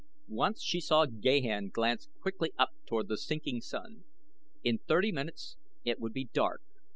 Once she saw Gahan glance quickly up toward the sinking sun. In thirty minutes it would be dark.